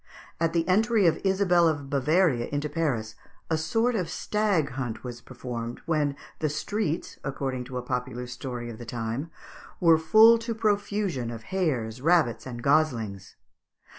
At the entry of Isabel of Bavaria into Paris, a sort of stag hunt was performed, when "the streets," according to a popular story of the time, "were full to profusion of hares, rabbits, and goslings."